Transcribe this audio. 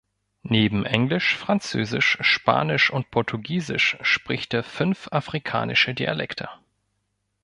Neben Englisch, Französisch, Spanisch und Portugiesisch spricht er fünf afrikanische Dialekte.